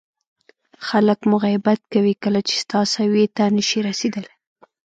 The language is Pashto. خلک مو غیبت کوي کله چې ستا سویې ته نه شي رسېدلی.